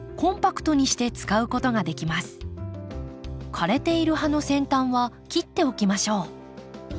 枯れている葉の先端は切っておきましょう。